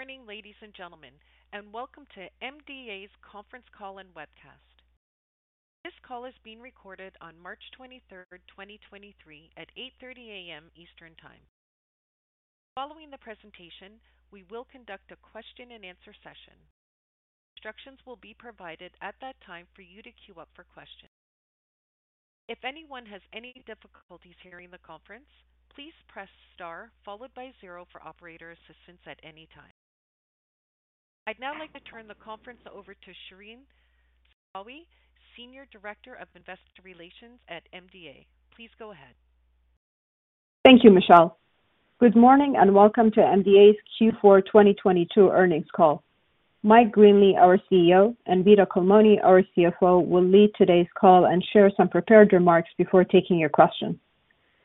Good morning, ladies and gentlemen, and welcome to MDA's conference call and webcast. This call is being recorded on March 23rd, 2023 at 8:30 A.M. Eastern time. Following the presentation, we will conduct a question and answer session. Instructions will be provided at that time for you to queue up for questions. If anyone has any difficulties hearing the conference, please press star zero for operator assistance at any time. I'd now like to turn the conference over to Shereen Zahawi, Senior Director, Investor Relations at MDA. Please go ahead. Thank you, Michelle. Good morning, welcome to MDA's Q4 2022 earnings call. Mike Greenley, our CEO, and Vito Culmone, our CFO, will lead today's call and share some prepared remarks before taking your questions.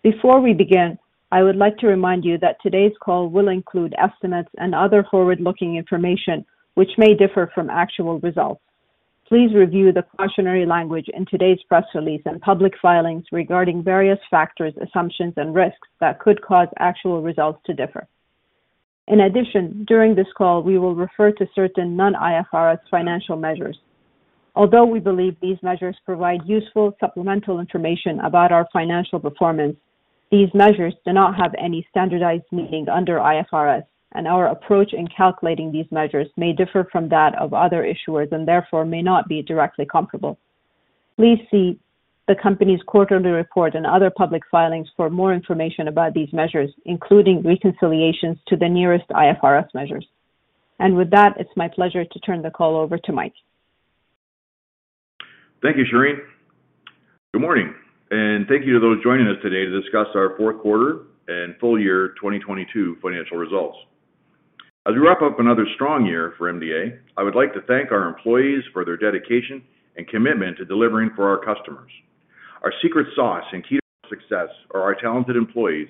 Before we begin, I would like to remind you that today's call will include estimates and other forward-looking information which may differ from actual results. Please review the cautionary language in today's press release and public filings regarding various factors, assumptions, and risks that could cause actual results to differ. During this call, we will refer to certain non-IFRS financial measures. Although we believe these measures provide useful supplemental information about our financial performance, these measures do not have any standardized meaning under IFRS, our approach in calculating these measures may differ from that of other issuers and therefore may not be directly comparable. Please see the company's quarterly report and other public filings for more information about these measures, including reconciliations to the nearest IFRS measures. With that, it's my pleasure to turn the call over to Mike. Thank you, Shereen. Good morning, and thank you to those joining us today to discuss our fourth quarter and full year 2022 financial results. As we wrap up another strong year for MDA, I would like to thank our employees for their dedication and commitment to delivering for our customers. Our secret sauce and key to success are our talented employees,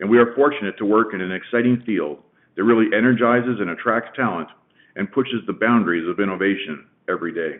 and we are fortunate to work in an exciting field that really energizes and attracts talent and pushes the boundaries of innovation every day.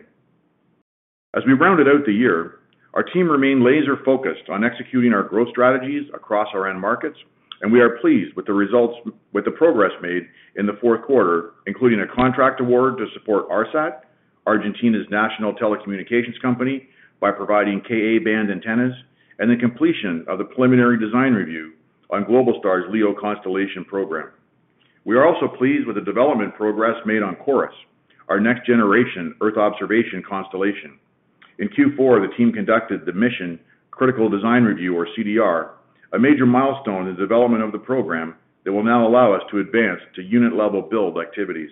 As we rounded out the year, our team remained laser-focused on executing our growth strategies across our end markets, and we are pleased with the results, with the progress made in the fourth quarter, including a contract award to support ARSAT, Argentina's national telecommunications company, by providing Ka-band antennas and the completion of the preliminary design review on Globalstar's LEO constellation program. We are also pleased with the development progress made on CHORUS, our next-generation Earth observation constellation. In Q4, the team conducted the Mission Critical Design Review or CDR, a major milestone in the development of the program that will now allow us to advance to unit-level build activities.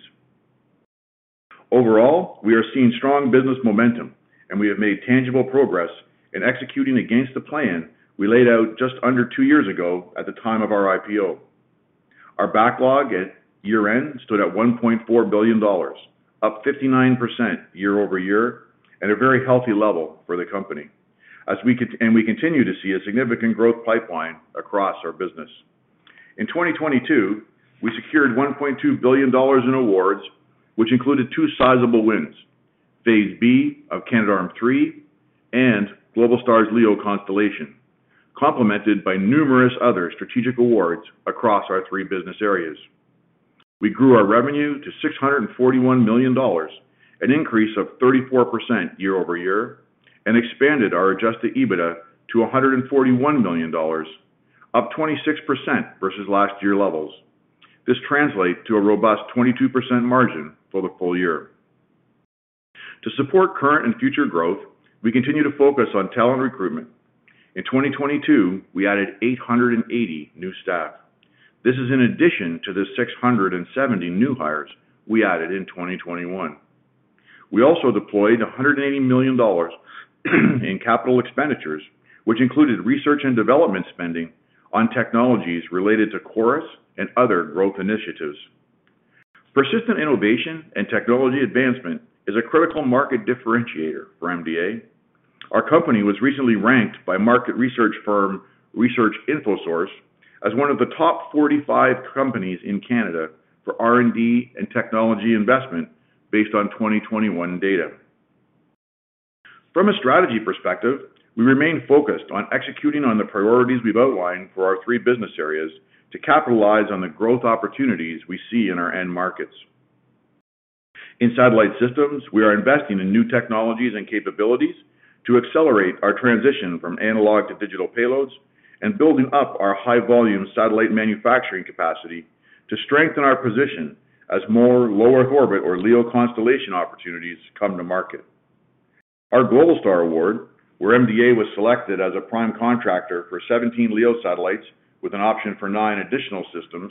Overall, we are seeing strong business momentum, we have made tangible progress in executing against the plan we laid out just under two years ago at the time of our IPO. Our backlog at year-end stood at 1.4 billion dollars, up 59% year-over-year at a very healthy level for the company. We continue to see a significant growth pipeline across our business. In 2022, we secured 1.2 billion dollars in awards, which included two sizable wins. Phase B of Canadarm3 and Globalstar's LEO constellation, complemented by numerous other strategic awards across our three business areas. We grew our revenue to 641 million dollars, an increase of 34% year-over-year, and expanded our adjusted EBITDA to 141 million dollars, up 26% versus last year levels. This translates to a robust 22% margin for the full year. To support current and future growth, we continue to focus on talent recruitment. In 2022, we added 880 new staff. This is in addition to the 670 new hires we added in 2021. We also deployed 180 million dollars in CapEx, which included R&D spending on technologies related to CHORUS and other growth initiatives. Persistent innovation and technology advancement is a critical market differentiator for MDA. Our company was recently ranked by market research firm Research Infosource as one of the top 45 companies in Canada for R&D and technology investment based on 2021 data. From a strategy perspective, we remain focused on executing on the priorities we've outlined for our three business areas to capitalize on the growth opportunities we see in our end markets. In satellite systems, we are investing in new technologies and capabilities to accelerate our transition from analog to digital payloads and building up our high-volume satellite manufacturing capacity to strengthen our position as more low-Earth orbit or LEO constellation opportunities come to market. Our Globalstar award, where MDA was selected as a prime contractor for 17 LEO satellites with an option for nine additional systems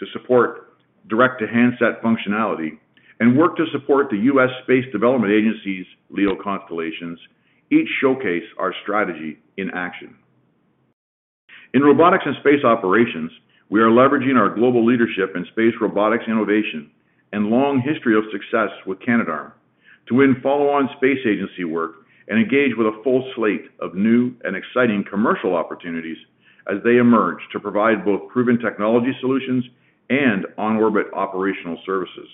to support direct-to-handset functionality and work to support the U.S. Space Development Agency's LEO constellations, each showcase our strategy in action. In robotics and space operations, we are leveraging our global leadership in space robotics innovation and long history of success with Canadarm3 to win follow-on space agency work and engage with a full slate of new and exciting commercial opportunities as they emerge to provide both proven technology solutions and on-orbit operational services.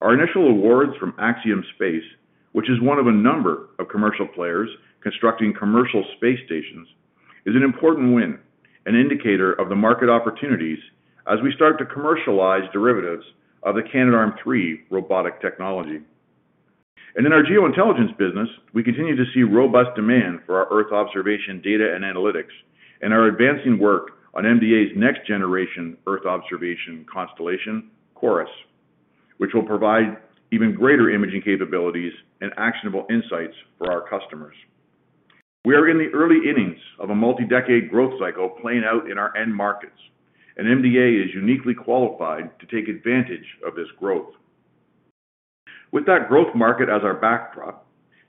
Our initial awards from Axiom Space, which is one of a number of commercial players constructing commercial space stations, is an important win, an indicator of the market opportunities as we start to commercialize derivatives of the Canadarm3 robotic technology. In our Geointelligence business, we continue to see robust demand for our Earth observation data and analytics and are advancing work on MDA's next-generation Earth observation constellation, CHORUS, which will provide even greater imaging capabilities and actionable insights for our customers. We are in the early innings of a multi-decade growth cycle playing out in our end markets. MDA is uniquely qualified to take advantage of this growth. With that growth market as our backdrop,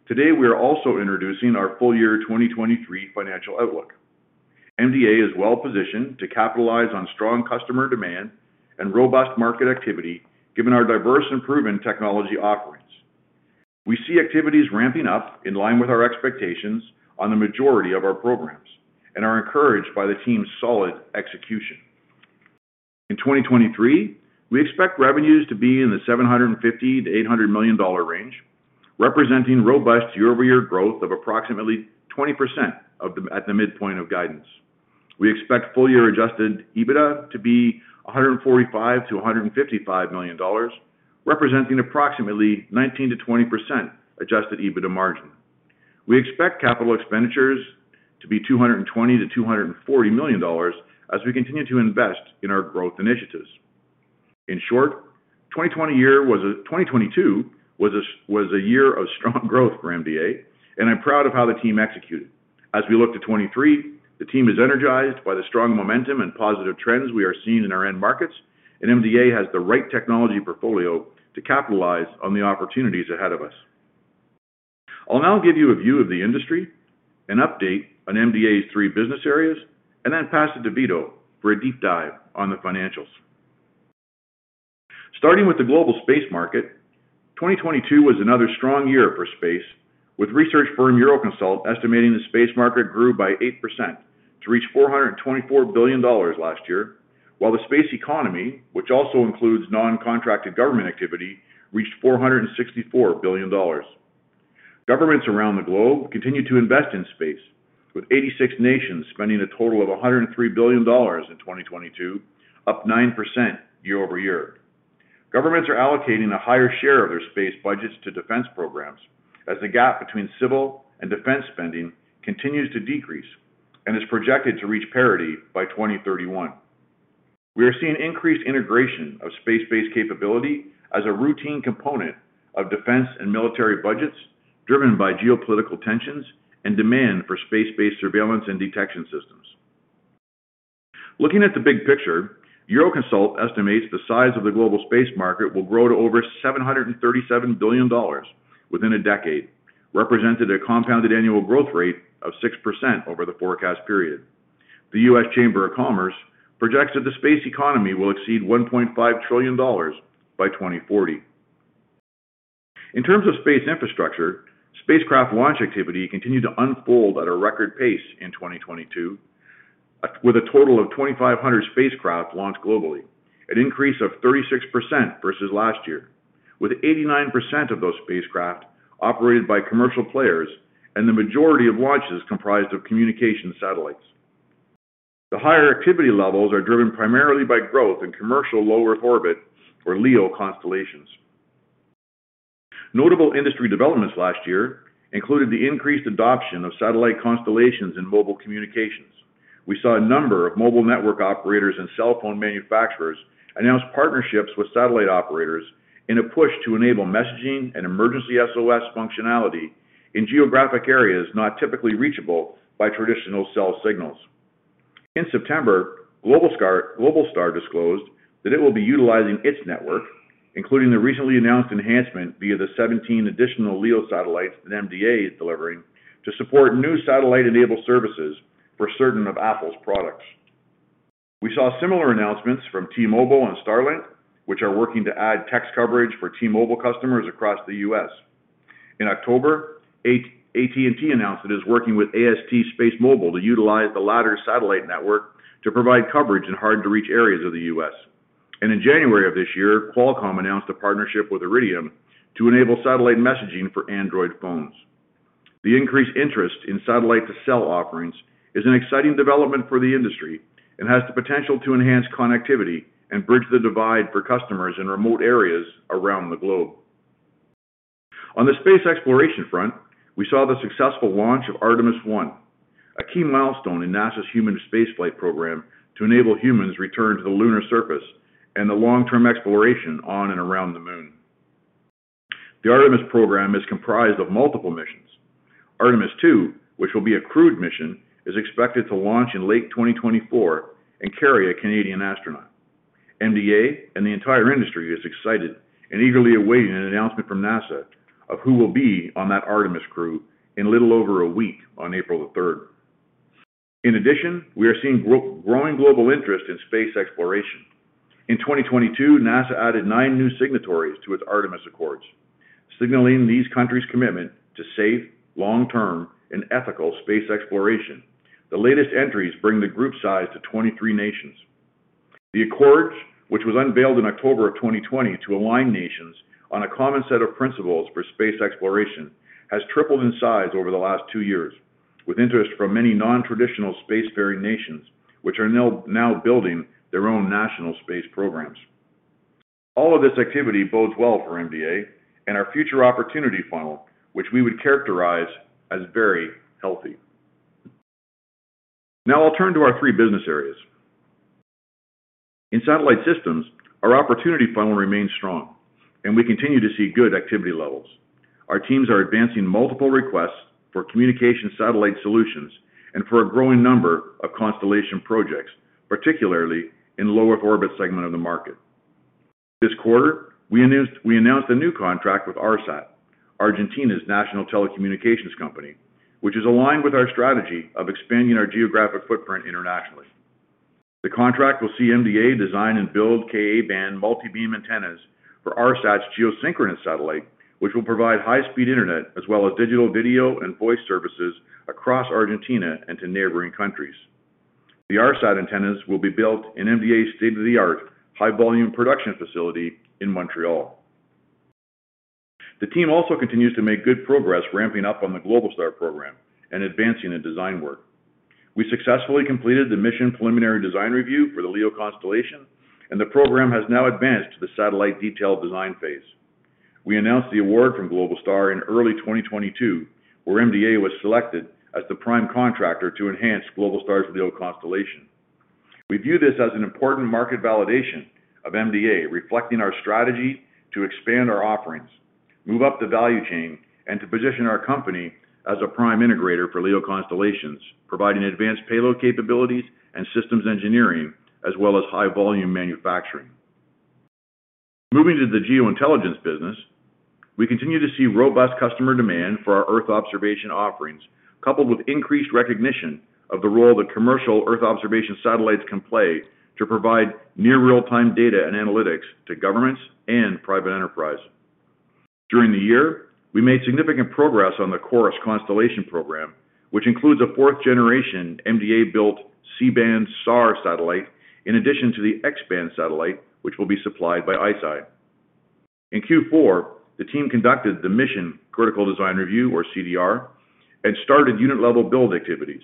today we are also introducing our full-year 2023 financial outlook. MDA is well-positioned to capitalize on strong customer demand and robust market activity, given our diverse improvement technology offerings. We see activities ramping up in line with our expectations on the majority of our programs and are encouraged by the team's solid execution. In 2023, we expect revenues to be in the 750 million-800 million dollar range, representing robust year-over-year growth of approximately 20% at the midpoint of guidance. We expect full-year adjusted EBITDA to be 145 million-155 million dollars, representing approximately 19%-20% adjusted EBITDA margin. We expect CapEx to be 220 million-240 million dollars as we continue to invest in our growth initiatives. In short, 2022 was a year of strong growth for MDA, and I'm proud of how the team executed. As we look to 2023, the team is energized by the strong momentum and positive trends we are seeing in our end markets, and MDA has the right technology portfolio to capitalize on the opportunities ahead of us. I'll now give you a view of the industry, an update on MDA's three business areas, and then pass it to Vito for a deep dive on the financials. Starting with the global space market, 2022 was another strong year for space, with research firm Euroconsult estimating the space market grew by 8% to reach $424 billion last year, while the space economy, which also includes non-contracted government activity, reached $464 billion. Governments around the globe continue to invest in space, with 86 nations spending a total of $103 billion in 2022, up 9% year-over-year. Governments are allocating a higher share of their space budgets to defense programs as the gap between civil and defense spending continues to decrease and is projected to reach parity by 2031. We are seeing increased integration of space-based capability as a routine component of defense and military budgets driven by geopolitical tensions and demand for space-based surveillance and detection systems. Looking at the big picture, Euroconsult estimates the size of the global space market will grow to over $737 billion within a decade, represented a compounded annual growth rate of 6% over the forecast period. The U.S. Chamber of Commerce projects that the space economy will exceed $1.5 trillion by 2040. In terms of space infrastructure, spacecraft launch activity continued to unfold at a record pace in 2022, with a total of 2,500 spacecraft launched globally, an increase of 36% versus last year, with 89% of those spacecraft operated by commercial players and the majority of launches comprised of communication satellites. The higher activity levels are driven primarily by growth in commercial low-Earth orbit or LEO constellations. Notable industry developments last year included the increased adoption of satellite constellations in mobile communications. We saw a number of mobile network operators and cell phone manufacturers announce partnerships with satellite operators in a push to enable messaging and Emergency SOS functionality in geographic areas not typically reachable by traditional cell signals. In September, Globalstar disclosed that it will be utilizing its network, including the recently announced enhancement via the 17 additional LEO satellites that MDA is delivering, to support new satellite-enabled services for certain of Apple's products. We saw similar announcements from T-Mobile and Starlink, which are working to add text coverage for T-Mobile customers across the U.S. In October, AT&T announced it is working with AST SpaceMobile to utilize the latter's satellite network to provide coverage in hard-to-reach areas of the U.S. In January of this year, Qualcomm announced a partnership with Iridium to enable satellite messaging for Android phones. The increased interest in satellite-to-cell offerings is an exciting development for the industry and has the potential to enhance connectivity and bridge the divide for customers in remote areas around the globe. On the space exploration front, we saw the successful launch of Artemis I, a key milestone in NASA's human space flight program to enable humans return to the lunar surface and the long-term exploration on and around the moon. The Artemis program is comprised of multiple missions. Artemis II, which will be a crewed mission, is expected to launch in late 2024 and carry a Canadian astronaut. MDA and the entire industry is excited and eagerly awaiting an announcement from NASA of who will be on that Artemis crew in little over a week on April the third. In addition, we are seeing growing global interest in space exploration. In 2022, NASA added nine new signatories to its Artemis Accords. Signaling these countries' commitment to safe, long-term, and ethical space exploration. The latest entries bring the group size to 23 nations. The Accords, which was unveiled in October of 2020 to align nations on a common set of principles for space exploration, has tripled in size over the last two years, with interest from many non-traditional spacefaring nations, which are now building their own national space programs. All of this activity bodes well for MDA and our future opportunity funnel, which we would characterize as very healthy. I'll turn to our three business areas. In satellite systems, our opportunity funnel remains strong, and we continue to see good activity levels. Our teams are advancing multiple requests for communication satellite solutions and for a growing number of constellation projects, particularly in low-Earth orbit segment of the market. This quarter, we announced a new contract with ARSAT, Argentina's national telecommunications company, which is aligned with our strategy of expanding our geographic footprint internationally. The contract will see MDA design and build Ka-band multi-beam antennas for ARSAT's geosynchronous satellite, which will provide high-speed internet as well as digital video and voice services across Argentina and to neighboring countries. The ARSAT antennas will be built in MDA's state-of-the-art high-volume production facility in Montreal. The team also continues to make good progress ramping up on the Globalstar program and advancing the design work. We successfully completed the mission preliminary design review for the LEO constellation, the program has now advanced to the satellite detail design phase. We announced the award from Globalstar in early 2022, where MDA was selected as the prime contractor to enhance Globalstar's LEO constellation. We view this as an important market validation of MDA, reflecting our strategy to expand our offerings, move up the value chain, and to position our company as a prime integrator for LEO constellations, providing advanced payload capabilities and systems engineering as well as high-volume manufacturing. Moving to the Geointelligence business, we continue to see robust customer demand for our Earth observation offerings, coupled with increased recognition of the role that commercial Earth observation satellites can play to provide near real-time data and analytics to governments and private enterprise. During the year, we made significant progress on the CHORUS constellation program, which includes a fourth-generation MDA-built C-band SAR satellite, in addition to the X-band satellite, which will be supplied by ICEYE. In Q4, the team conducted the mission Critical Design Review, or CDR, and started unit-level build activities.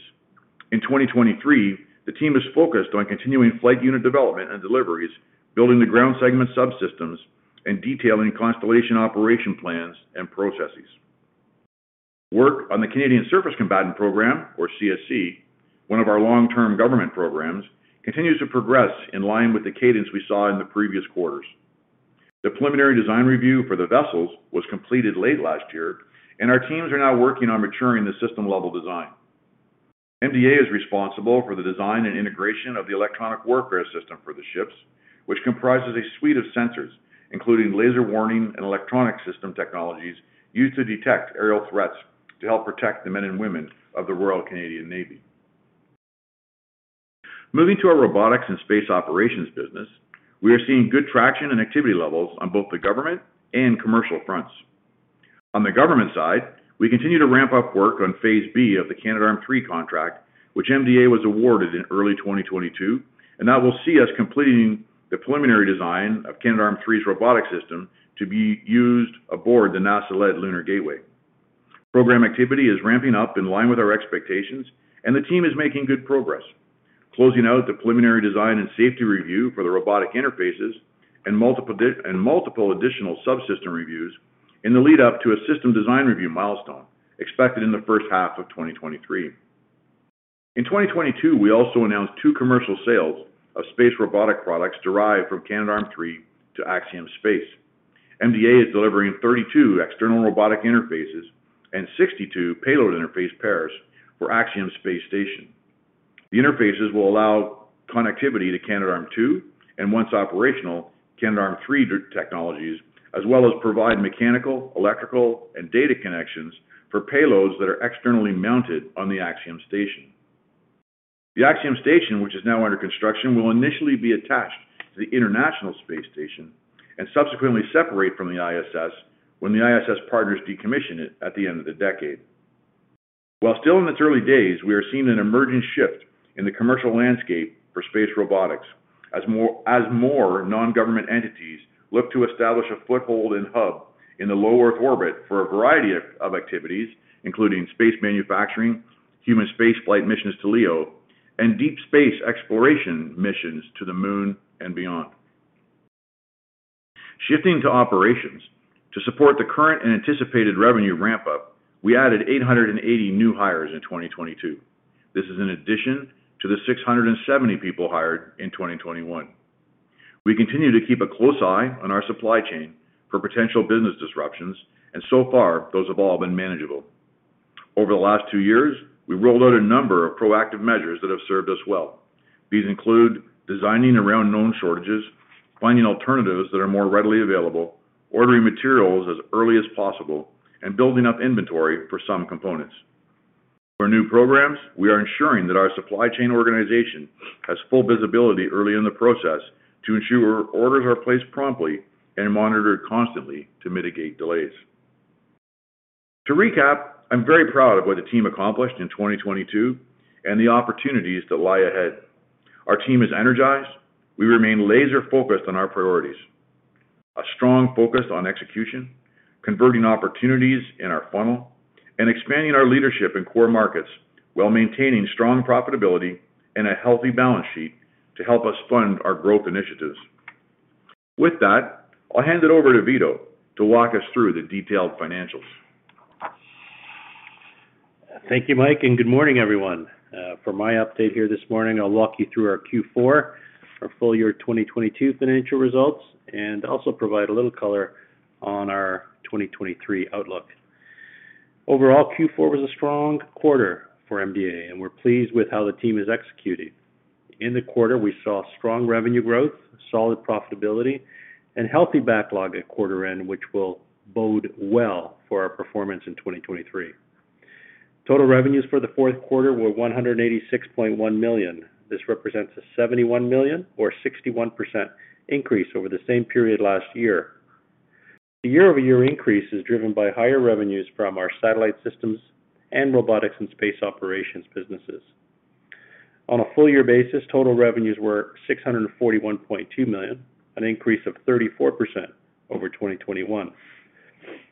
In 2023, the team is focused on continuing flight unit development and deliveries, building the ground segment subsystems, and detailing constellation operation plans and processes. Work on the Canadian Surface Combatant program, or CSC, one of our long-term government programs, continues to progress in line with the cadence we saw in the previous quarters. The preliminary design review for the vessels was completed late last year, and our teams are now working on maturing the system-level design. MDA is responsible for the design and integration of the electronic warfare system for the ships, which comprises a suite of sensors, including laser warning and electronic system technologies used to detect aerial threats to help protect the men and women of the Royal Canadian Navy. Moving to our robotics and space operations business, we are seeing good traction and activity levels on both the government and commercial fronts. On the government side, we continue to ramp up work on Phase B of the Canadarm3 contract, which MDA was awarded in early 2022, that will see us completing the preliminary design of Canadarm3's robotic system to be used aboard the NASA-led Lunar Gateway. Program activity is ramping up in line with our expectations, the team is making good progress, closing out the preliminary design and safety review for the robotic interfaces and multiple additional subsystem reviews in the lead-up to a system design review milestone expected in the first half of 2023. In 2022, we also announced two commercial sales of space robotic products derived from Canadarm3 to Axiom Space. MDA is delivering 32 external robotic interfaces and 62 payload interface pairs for Axiom's space station. The interfaces will allow connectivity to Canadarm2, once operational, Canadarm3 technologies, as well as provide mechanical, electrical, and data connections for payloads that are externally mounted on the Axiom station. The Axiom station, which is now under construction, will initially be attached to the International Space Station and subsequently separate from the ISS when the ISS partners decommission it at the end of the decade. While still in its early days, we are seeing an emerging shift in the commercial landscape for space robotics as more non-government entities look to establish a foothold and hub in the low Earth orbit for a variety of activities, including space manufacturing, human spaceflight missions to LEO, and deep space exploration missions to the Moon and beyond. Shifting to operations, to support the current and anticipated revenue ramp-up, we added 880 new hires in 2022. This is in addition to the 670 people hired in 2021. We continue to keep a close eye on our supply chain for potential business disruptions, and so far, those have all been manageable. Over the last two years, we've rolled out a number of proactive measures that have served us well. These include designing around known shortages, finding alternatives that are more readily available, ordering materials as early as possible, and building up inventory for some components. For new programs, we are ensuring that our supply chain organization has full visibility early in the process to ensure orders are placed promptly and monitored constantly to mitigate delays. To recap, I'm very proud of what the team accomplished in 2022 and the opportunities that lie ahead. Our team is energized. We remain laser-focused on our priorities. A strong focus on execution, converting opportunities in our funnel, and expanding our leadership in core markets while maintaining strong profitability and a healthy balance sheet to help us fund our growth initiatives. With that, I'll hand it over to Vito to walk us through the detailed financials. Thank you, Mike. Good morning, everyone. For my update here this morning, I'll walk you through our Q4 for full year 2022 financial results and also provide a little color on our 2023 outlook. Overall, Q4 was a strong quarter for MDA, and we're pleased with how the team is executing. In the quarter, we saw strong revenue growth, solid profitability, and healthy backlog at quarter end, which will bode well for our performance in 2023. Total revenues for the fourth quarter were 186.1 million. This represents a 71 million or 61% increase over the same period last year. The year-over-year increase is driven by higher revenues from our satellite systems and robotics and space operations businesses. On a full year basis, total revenues were 641.2 million, an increase of 34% over 2021.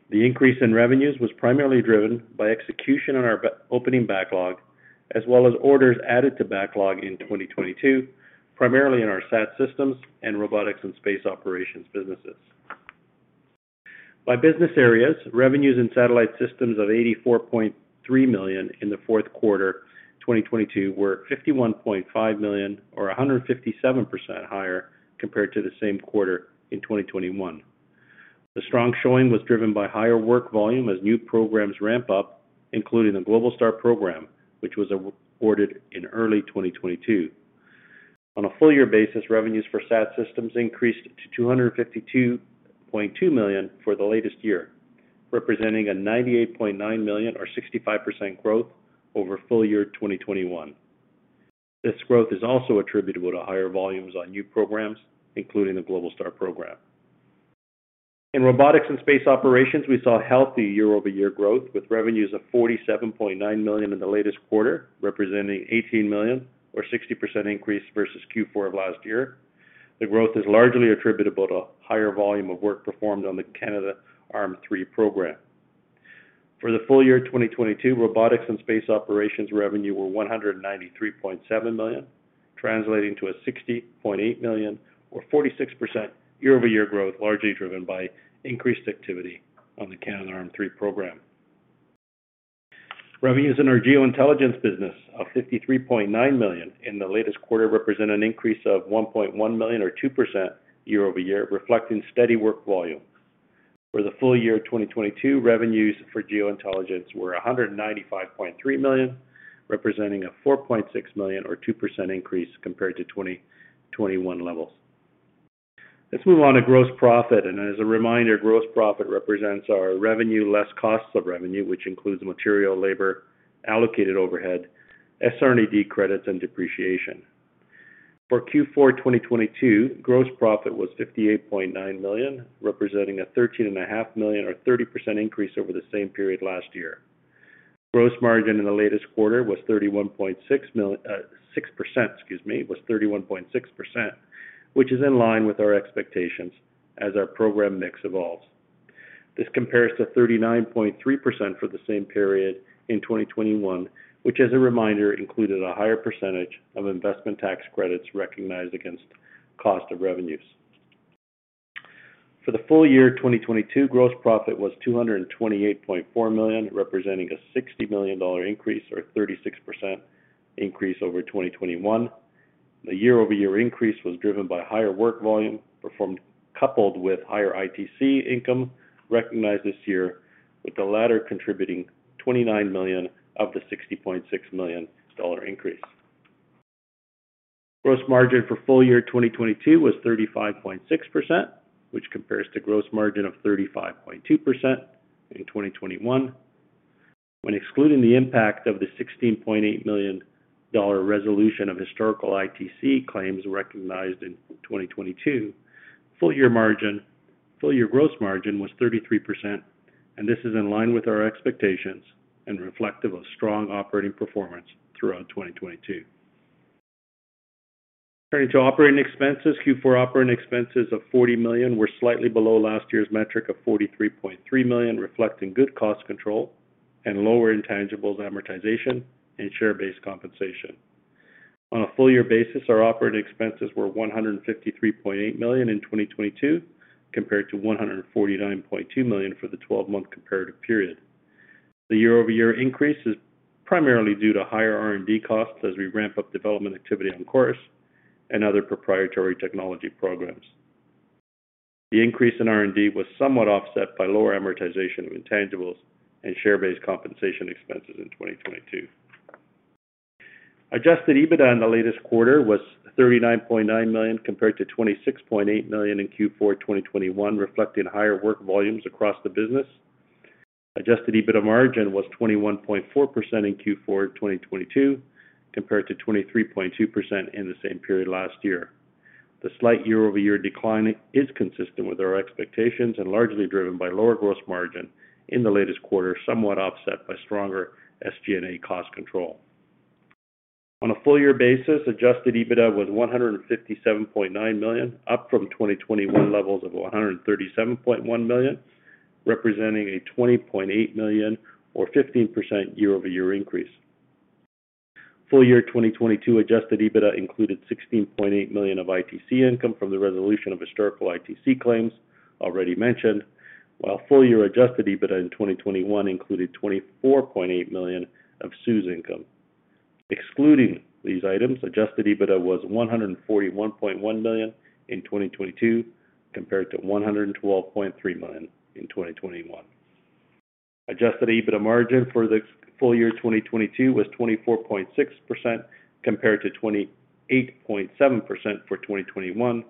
The increase in revenues was primarily driven by execution on our opening backlog, as well as orders added to backlog in 2022, primarily in our SAT Systems and robotics and space operations businesses. By business areas, revenues and Satellite Systems of 84.3 million in Q4 2022 were 51.5 million or 157% higher compared to the same quarter in 2021. The strong showing was driven by higher work volume as new programs ramp up, including the Globalstar program, which was awarded in early 2022. On a full year basis, revenues for SAT systems increased to 252.2 million for the latest year, representing a 98.9 million or 65% growth over full year 2021. This growth is also attributable to higher volumes on new programs, including the Globalstar program. In robotics and space operations, we saw healthy year-over-year growth with revenues of 47.9 million in the latest quarter, representing 18 million or 60% increase versus Q4 of last year. For the full year 2022, robotics and space operations revenue were 193.7 million, translating to a 60.8 million or 46% year-over-year growth, largely driven by increased activity on the Canadarm3 program. Revenues in our Geointelligence business of 53.9 million in the latest quarter represent an increase of 1.1 million or 2% year-over-year, reflecting steady work volume. For the full year 2022, revenues for Geointelligence were 195.3 million, representing a 4.6 million or 2% increase compared to 2021 levels. Let's move on to gross profit. As a reminder, gross profit represents our revenue less cost of revenue, which includes material, labor, allocated overhead, SR&ED credits and depreciation. For Q4 2022, gross profit was 58.9 million, representing a 13.5 Million or 30% increase over the same period last year. Gross margin in the latest quarter was 31.6%, excuse me, was 31.6%, which is in line with our expectations as our program mix evolves. This compares to 39.3% for the same period in 2021, which as a reminder, included a higher percentage of investment tax credits recognized against cost of revenues. For the full year 2022, gross profit was 228.4 million, representing a 60 million dollar increase or 36% increase over 2021. The year-over-year increase was driven by higher work volume performed coupled with higher ITC income recognized this year, with the latter contributing 29 million of the 60.6 million dollar increase. Gross margin for full year 2022 was 35.6%, which compares to gross margin of 35.2% in 2021. When excluding the impact of the 16.8 million dollar resolution of historical ITC claims recognized in 2022, full year gross margin was 33%. This is in line with our expectations and reflective of strong operating performance throughout 2022. Turning to operating expenses, Q4 operating expenses of 40 million were slightly below last year's metric of 43.3 million, reflecting good cost control and lower intangibles amortization and share-based compensation. On a full year basis, our operating expenses were 153.8 million in 2022, compared to 149.2 million for the 12-month comparative period. The year-over-year increase is primarily due to higher R&D costs as we ramp up development activity on CHORUS and other proprietary technology programs. The increase in R&D was somewhat offset by lower amortization of intangibles and share-based compensation expenses in 2022. Adjusted EBITDA in the latest quarter was 39.9 million, compared to 26.8 million in Q4 2021, reflecting higher work volumes across the business. Adjusted EBITDA margin was 21.4% in Q4 2022, compared to 23.2% in the same period last year. The slight year-over-year decline is consistent with our expectations and largely driven by lower gross margin in the latest quarter, somewhat offset by stronger SG&A cost control. On a full year basis, Adjusted EBITDA was 157.9 million, up from 2021 levels of 137.1 million, representing a 20.8 million or 15% year-over-year increase. Full year 2022 adjusted EBITDA included 16.8 million of ITC income from the resolution of historical ITC claims already mentioned, while full year adjusted EBITDA in 2021 included 24.8 million of CEWS income. Excluding these items, adjusted EBITDA was 141.1 million in 2022, compared to 112.3 million in 2021. Adjusted EBITDA margin for the full year 2022 was 24.6% compared to 28.7% for 2021.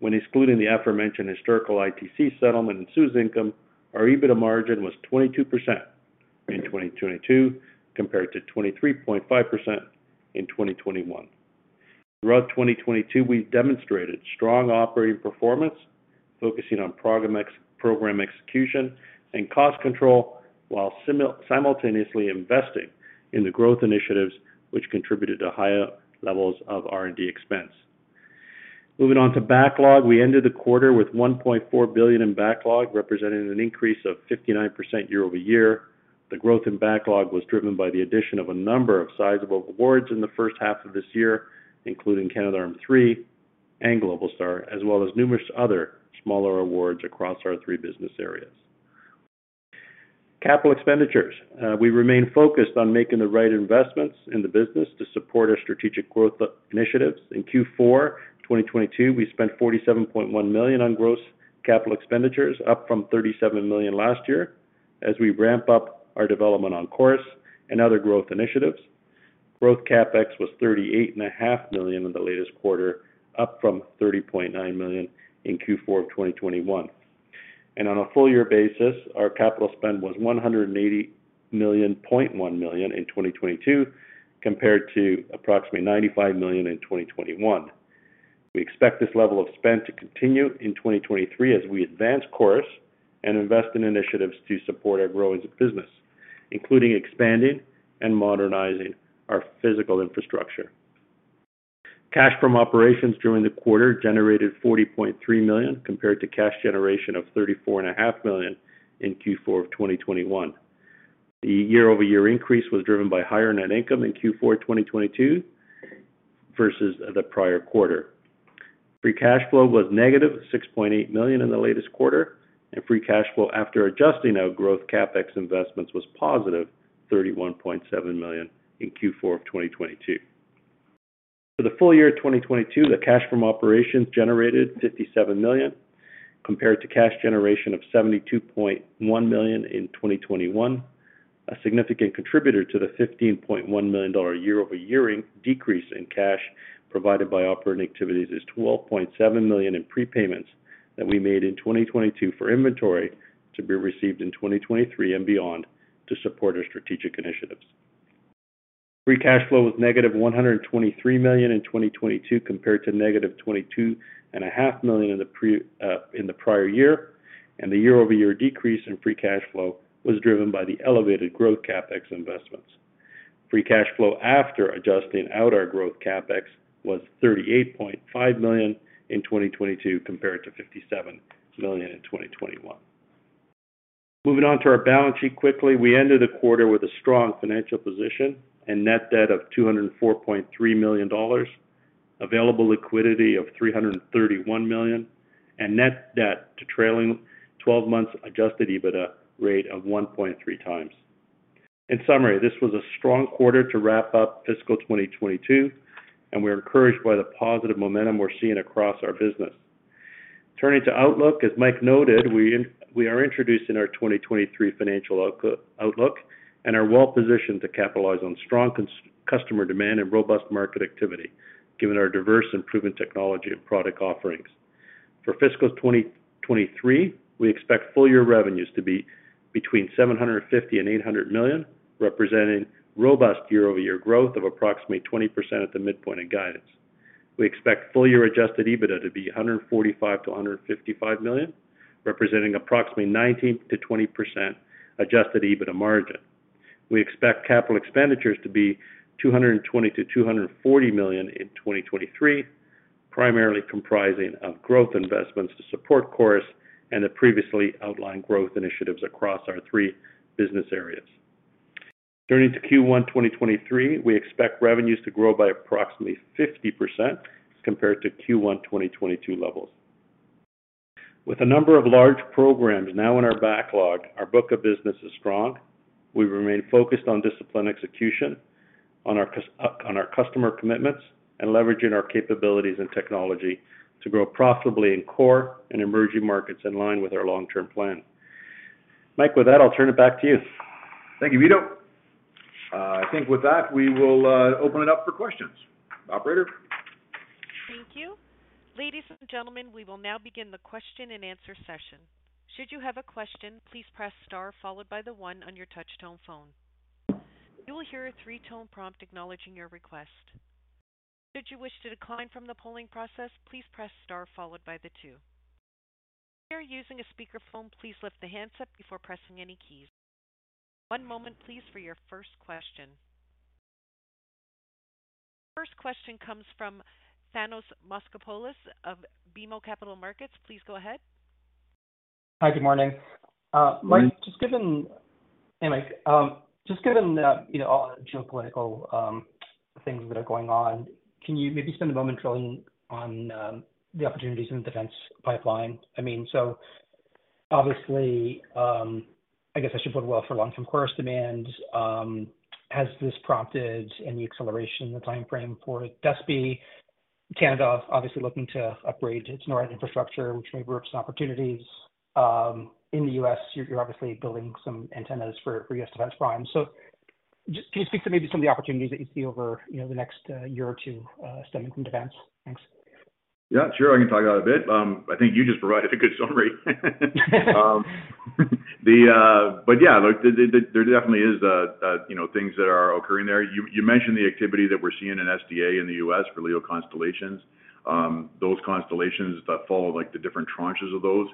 When excluding the aforementioned historical ITC settlement in CEWS income, our EBITDA margin was 22% in 2022 compared to 23.5% in 2021. Throughout 2022, we've demonstrated strong operating performance, focusing on program execution and cost control while simultaneously investing in the growth initiatives which contributed to higher levels of R&D expense. Moving on to backlog, we ended the quarter with 1.4 billion in backlog, representing an increase of 59% year-over-year. The growth in backlog was driven by the addition of a number of sizable awards in the first half of this year, including Canadarm3 and Globalstar, as well as numerous other smaller awards across our three business areas. Capital expenditures. We remain focused on making the right investments in the business to support our strategic growth initiatives. In Q4 2022, we spent 47.1 million on gross capital expenditures, up from 37 million last year, as we ramp up our development on CHORUS and other growth initiatives. Growth CapEx was 38.5 million in the latest quarter, up from 30.9 million in Q4 of 2021. On a full year basis, our capital spend was 180.1 million in 2022, compared to approximately 95 million in 2021. We expect this level of spend to continue in 2023 as we advance CHORUS and invest in initiatives to support our growing business, including expanding and modernizing our physical infrastructure. Cash from operations during the quarter generated 40.3 million, compared to cash generation of thirty-four and a half million in Q4 2021. The year-over-year increase was driven by higher net income in Q4 2022 versus the prior quarter. Free cash flow was negative 6.8 million in the latest quarter, and free cash flow after adjusting our growth CapEx investments was positive 31.7 million in Q4 2022. For the full year 2022, the cash from operations generated 57 million, compared to cash generation of 72.1 million in 2021. A significant contributor to the 15.1 million dollar year-over-year decrease in cash provided by operating activities is 12.7 million in prepayments that we made in 2022 for inventory to be received in 2023 and beyond to support our strategic initiatives. Free cash flow was negative 123 million in 2022, compared to negative 22.5 million in the prior year. The year-over-year decrease in free cash flow was driven by the elevated growth CapEx investments. Free cash flow after adjusting out our growth CapEx was 38.5 million in 2022, compared to 57 million in 2021. Moving on to our balance sheet quickly. We ended the quarter with a strong financial position and net debt of 204.3 million dollars, available liquidity of 331 million, and net debt to trailing 12 months adjusted EBITDA rate of 1.3x. In summary, this was a strong quarter to wrap up fiscal 2022, and we're encouraged by the positive momentum we're seeing across our business. Turning to outlook, as Mike noted, we are introducing our 2023 financial outlook and are well positioned to capitalize on strong customer demand and robust market activity given our diverse and proven technology and product offerings. For fiscal 2023, we expect full year revenues to be between 750 million and 800 million, representing robust year-over-year growth of approximately 20% at the midpoint of guidance. We expect full year adjusted EBITDA to be 145 million-155 million, representing approximately 19%-20% adjusted EBITDA margin. We expect capital expenditures to be 220 million-240 million in 2023, primarily comprising of growth investments to support CHORUS and the previously outlined growth initiatives across our three business areas. Turning to Q1 2023, we expect revenues to grow by approximately 50% compared to Q1 2022 levels. With a number of large programs now in our backlog, our book of business is strong. We remain focused on disciplined execution on our customer commitments and leveraging our capabilities and technology to grow profitably in core and emerging markets in line with our long-term plan. Mike, with that, I'll turn it back to you. Thank you, Vito. I think with that, we will open it up for questions. Operator? Thank you. Ladies and gentlemen, we will now begin the question and answer session. Should you have a question, please press star followed by the one on your touch-tone phone. You will hear a three-tone prompt acknowledging your request. Should you wish to decline from the polling process, please press star followed by the two. If you are using a speakerphone, please lift the handset up before pressing any keys. One moment please for your first question. First question comes from Thanos Moschopoulos of BMO Capital Markets. Please go ahead. Hi, good morning. Good morning. Hey, Mike. Just given the, you know, all the geopolitical things that are going on, can you maybe spend a moment drilling on the opportunities in the defense pipeline? I mean, obviously, I guess I should put it well for long-term CHORUS demand, has this prompted any acceleration in the timeframe for DSPI? Canada obviously looking to upgrade its NORAD infrastructure, which may bring some opportunities in the U.S. You're obviously building some antennas for U.S. defense prime. Just, can you speak to maybe some of the opportunities that you see over, you know, the next year or two stemming from defense? Thanks. Yeah, sure. I can talk about a bit. I think you just provided a good summary. Yeah, look, there definitely is, you know, things that are occurring there. You mentioned the activity that we're seeing in SDA in the U.S. for LEO constellations. Those constellations that follow, like, the different tranches of those,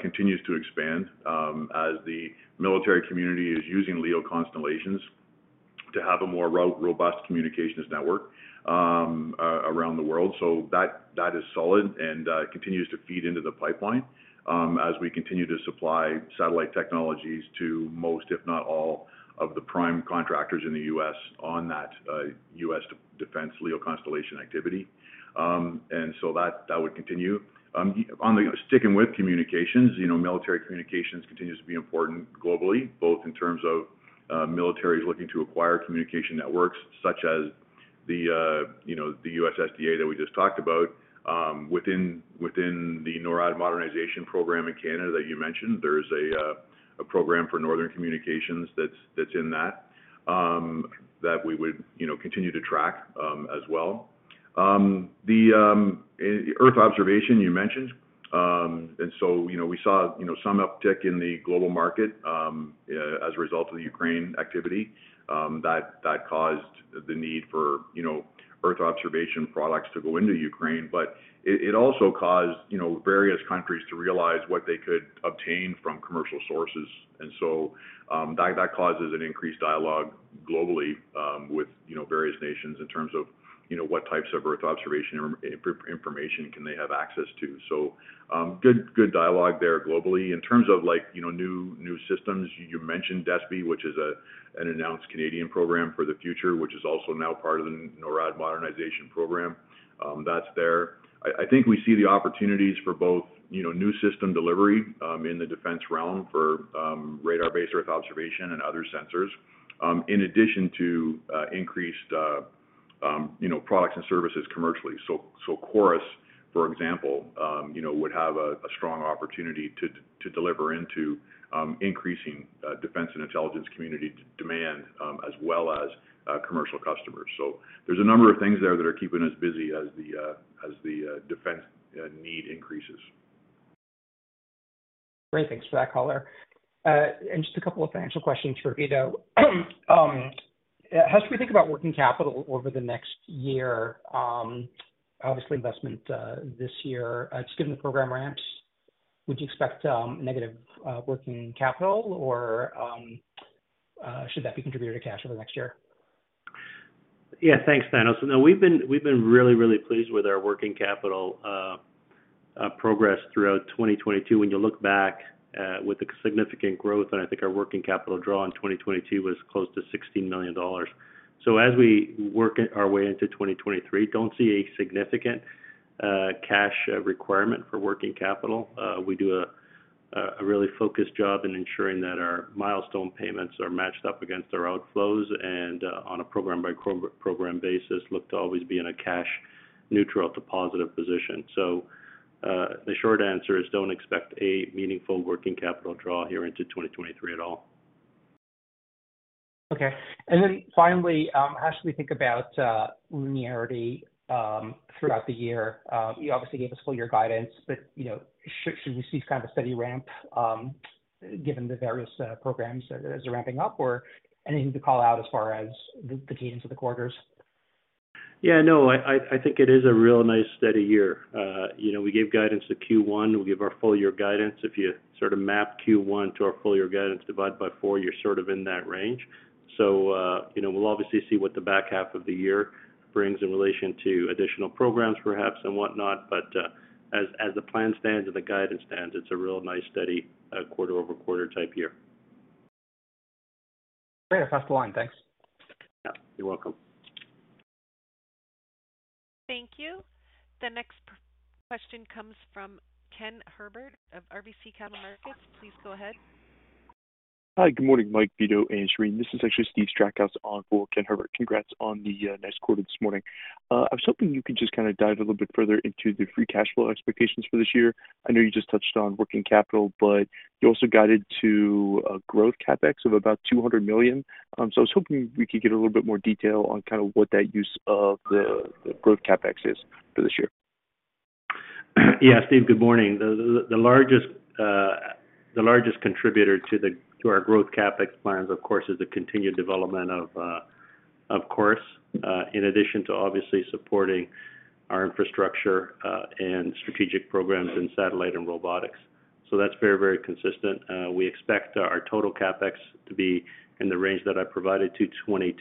continues to expand, as the military community is using LEO constellations to have a more robust communications network around the world. That is solid and continues to feed into the pipeline, as we continue to supply satellite technologies to most, if not all, of the prime contractors in the U.S. on that U.S. defense LEO constellation activity. That would continue. On the... Sticking with communications, you know, military communications continues to be important globally, both in terms of militaries looking to acquire communication networks such as the, you know, the U.S. SDA that we just talked about, within the NORAD modernization program in Canada that you mentioned. There's a program for northern communications that's in that we would, you know, continue to track as well. The Earth observation you mentioned. You know, we saw, you know, some uptick in the global market as a result of the Ukraine activity that caused the need for, you know, Earth observation products to go into Ukraine. It also caused, you know, various countries to realize what they could obtain from commercial sources. That causes an increased dialogue globally, with, you know, various nations in terms of, you know, what types of earth observation information can they have access to. Good dialogue there globally. In terms of like, you know, new systems, you mentioned DSPI, which is a, an announced Canadian program for the future, which is also now part of the NORAD modernization program. That's there. I think we see the opportunities for both, you know, new system delivery, in the defense realm for radar-based earth observation and other sensors, in addition to increased, you know, products and services commercially. CHORUS, for example, you know, would have a strong opportunity to deliver into increasing defense and intelligence community demand as well as commercial customers. There's a number of things there that are keeping us busy as the, as the, defense, need increases. Great. Thanks for that color. Just a couple of financial questions for Vito. How should we think about working capital over the next year? Obviously investment, this year, given the program ramps, would you expect negative working capital or should that be contributor to cash over the next year? Yeah. Thanks, Thanos. No, we've been really, really pleased with our working capital progress throughout 2022. When you look back, with the significant growth, and I think our working capital draw in 2022 was close to 16 million dollars. As we work our way into 2023, don't see a significant cash requirement for working capital. We do a really focused job in ensuring that our milestone payments are matched up against our outflows and on a program by program basis, look to always be in a cash neutral to positive position. The short answer is don't expect a meaningful working capital draw here into 2023 at all. Okay. Then finally, how should we think about linearity throughout the year? You obviously gave us full year guidance, but, you know, should we see kind of a steady ramp, given the various programs that is ramping up? Or anything to call out as far as the cadence of the quarters? Yeah, no, I think it is a real nice steady year. you know, we gave guidance to Q1. We gave our full year guidance. If you sort of map Q1 to our full year guidance divide by four, you're sort of in that range. you know, we'll obviously see what the back half of the year brings in relation to additional programs perhaps and whatnot, as the plan stands and the guidance stands, it's a real nice steady quarter-over-quarter type year. Great. I'll pass the line. Thanks. Yeah, you're welcome. Thank you. The next question comes from Ken Herbert of RBC Capital Markets. Please go ahead. Hi, good morning, Mike, Vito, and Shereen. This is actually Steve Strackhouse on for Ken Herbert. Congrats on the nice quarter this morning. I was hoping you could just kinda dive a little bit further into the free cash flow expectations for this year. I know you just touched on working capital, you also guided to a growth CapEx of about 200 million. I was hoping we could get a little bit more detail on kinda what that use of the growth CapEx is for this year. Steve, good morning. The largest contributor to our growth CapEx plans, of course, is the continued development of course, in addition to obviously supporting our infrastructure and strategic programs in satellite and robotics. That's very consistent. We expect our total CapEx to be in the range that I provided, 220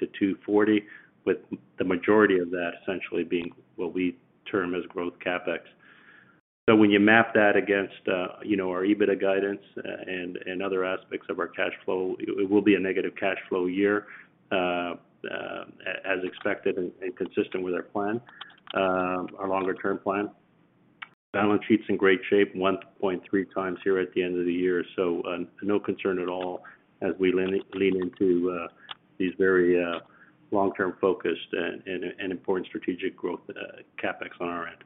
million-240 million, with the majority of that essentially being what we term as growth CapEx. When you map that against, you know, our EBITDA guidance and other aspects of our cash flow, it will be a negative cash flow year as expected and consistent with our plan, our longer-term plan. Balance sheet's in great shape, 1.3x here at the end of the year. No concern at all as we lean into these very long-term focused and important strategic growth CapEx on our end.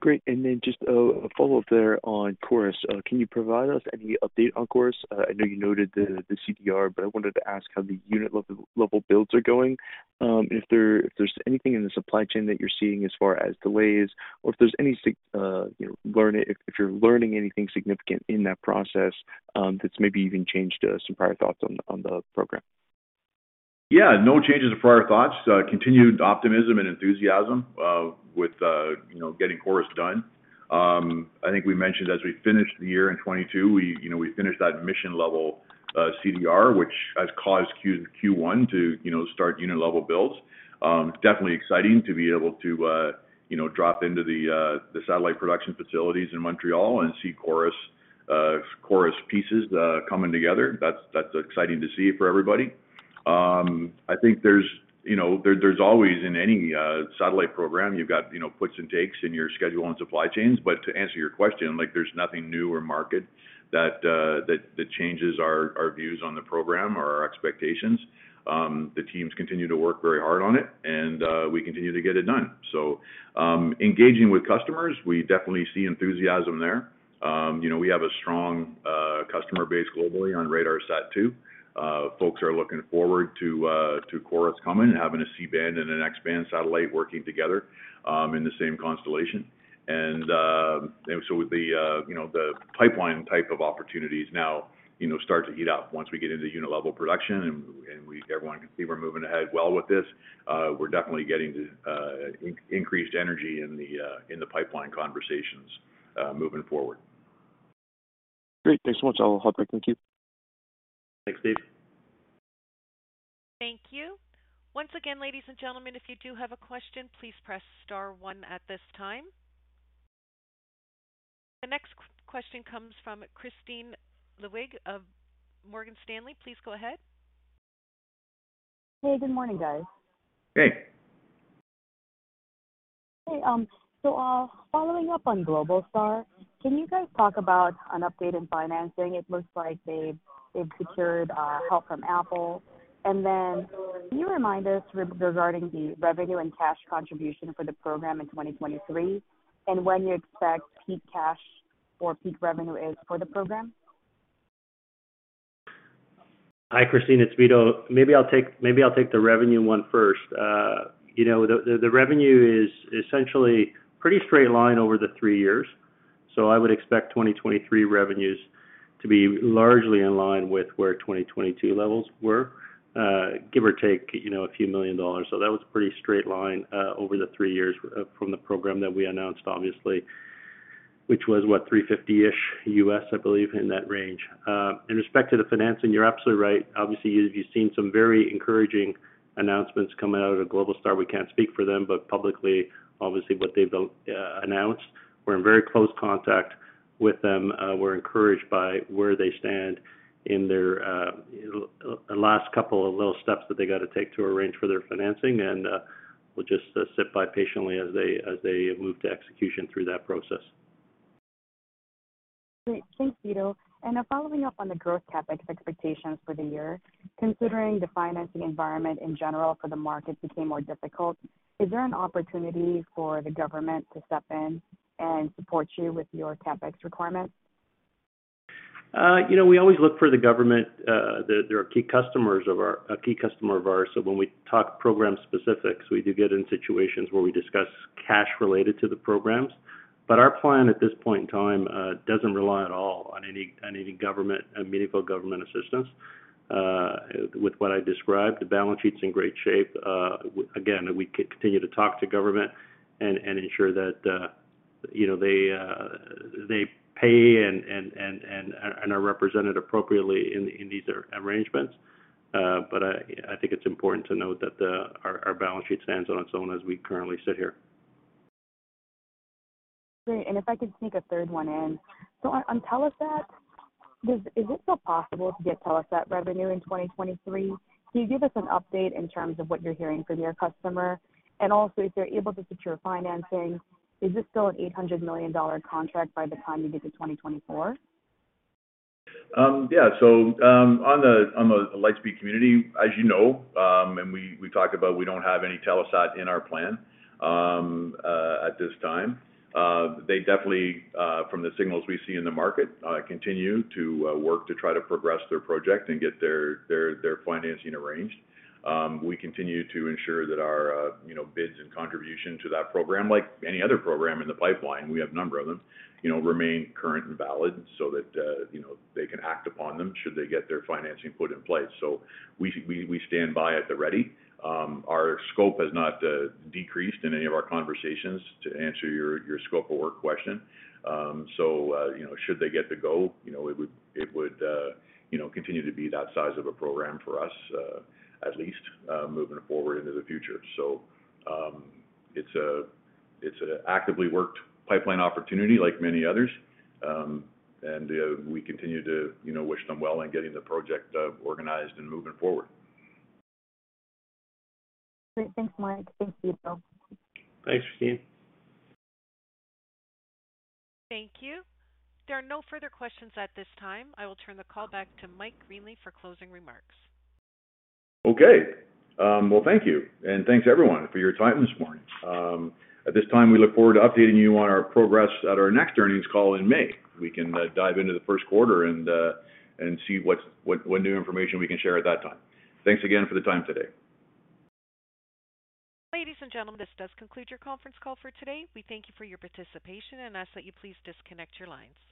Great. Just a follow-up there on CHORUS. Can you provide us any update on CHORUS? I know you noted the CDR, but I wanted to ask how the unit level builds are going, and if there's anything in the supply chain that you're seeing as far as delays or if there's any, you know, learning anything significant in that process that's maybe even changed some prior thoughts on the program. Yeah, no changes to prior thoughts. Continued optimism and enthusiasm, with, you know, getting CHORUS done. I think we mentioned as we finished the year in 2022, we, you know, we finished that mission-level CDR, which has caused Q1 to, you know, start unit-level builds. Definitely exciting to be able to, you know, drop into the satellite production facilities in Montreal and see CHORUS pieces coming together. That's exciting to see for everybody. I think there's, you know, there's always in any satellite program, you've got, you know, puts and takes in your schedule and supply chains. To answer your question, like, there's nothing new or market that changes our views on the program or our expectations. The teams continue to work very hard on it and we continue to get it done. Engaging with customers, we definitely see enthusiasm there. You know, we have a strong customer base globally on RADARSAT-2. Folks are looking forward to CHORUS coming, having a C-band and an X-band satellite working together in the same constellation. With the, you know, the pipeline type of opportunities now, you know, start to heat up once we get into unit-level production and everyone can see we're moving ahead well with this, we're definitely getting increased energy in the pipeline conversations moving forward. Great. Thanks so much. I'll hop back with you. Thanks, Steve. Thank you. Once again, ladies and gentlemen, if you do have a question, please press star one at this time. The next question comes from Kristine Liwag of Morgan Stanley. Please go ahead. Hey, good morning, guys. Hey. Following up on Globalstar, can you guys talk about an update in financing? It looks like they've secured help from Apple. Can you remind us regarding the revenue and cash contribution for the program in 2023, and when you expect peak cash or peak revenue is for the program? Hi, Kristine, it's Vito. Maybe I'll take the revenue one first. You know, the revenue is essentially pretty straight line over the three years. I would expect 2023 revenues to be largely in line with where 2022 levels were, give or take, you know, a few million CAD. That was pretty straight line over the three years from the program that we announced, obviously, which was, what? $350-ish million U.S., I believe, in that range. In respect to the financing, you're absolutely right. Obviously, you've seen some very encouraging announcements coming out of Globalstar. We can't speak for them, but publicly, obviously, what they've announced, we're in very close contact with them. We're encouraged by where they stand in their last couple of little steps that they gotta take to arrange for their financing. We'll just sit by patiently as they move to execution through that process. Great. Thanks, Vito. Following up on the growth CapEx expectations for the year, considering the financing environment in general for the market became more difficult, is there an opportunity for the government to step in and support you with your CapEx requirements? You know, we always look for the government. They're a key customer of ours. When we talk program specifics, we do get in situations where we discuss cash related to the programs. Our plan at this point in time doesn't rely at all on any, on any government, meaningful government assistance. With what I described, the balance sheet's in great shape. Again, we continue to talk to government and ensure that, you know, they pay and are represented appropriately in these arrangements. I think it's important to note that our balance sheet stands on its own as we currently sit here. Great. If I could sneak a third one in. On Telesat, is it still possible to get Telesat revenue in 2023? Can you give us an update in terms of what you're hearing from your customer? Also, if they're able to secure financing, is this still an 800 million dollar contract by the time you get to 2024? Yeah. On the Lightspeed community, as you know, and we talked about we don't have any Telesat in our plan at this time. They definitely, from the signals we see in the market, continue to work to try to progress their project and get their financing arranged. We continue to ensure that our, you know, bids and contribution to that program, like any other program in the pipeline, we have a number of them, you know, remain current and valid so that, you know, they can act upon them should they get their financing put in place. We stand by at the ready. Our scope has not decreased in any of our conversations to answer your scope of work question. You know, should they get the go, you know, it would, you know, continue to be that size of a program for us, at least, moving forward into the future. It's a actively worked pipeline opportunity like many others. We continue to, you know, wish them well in getting the project, organized and moving forward. Great. Thanks, Mike. Thanks, Vito. Thanks, Kristine. Thank you. There are no further questions at this time. I will turn the call back to Mike Greenley for closing remarks. Okay. Well, thank you. Thanks everyone for your time this morning. At this time, we look forward to updating you on our progress at our next earnings call in May. We can dive into the first quarter and see what's new information we can share at that time. Thanks again for the time today. Ladies and gentlemen, this does conclude your conference call for today. We thank you for your participation and ask that you please disconnect your lines.